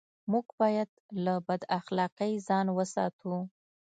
موږ بايد له بد اخلاقۍ ځان و ساتو.